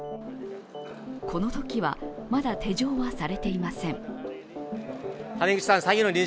このときはまだ手錠はされていません。